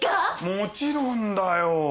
もちろんだよ。